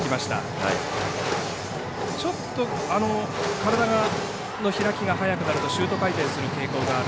体の開きが速くなるとシュート回転する傾向がある。